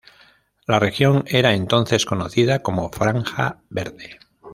La región era entonces conocida como Franja Verde.